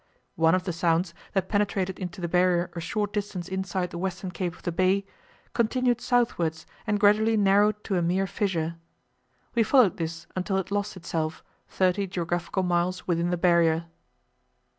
One of the sounds, that penetrated into the Barrier a short distance inside the western cape of the bay, continued southward and gradually narrowed to a mere fissure. We followed this until it lost itself, thirty geographical miles within the Barrier.